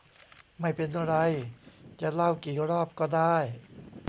ไม่เป็นไร จะเล่ากี่รอบก็ได้